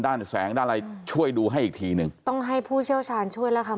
ด้านแสงด้านอะไรช่วยดูให้อีกทีหนึ่งต้องให้ผู้เชี่ยวชาญช่วยแล้วค่ะ